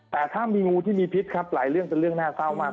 แต่ถ้ามีงูที่มีพิษครับหลายเรื่องเป็นเรื่องน่าเศร้ามาก